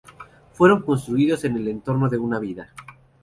Fueron construidos en el entorno de una vida.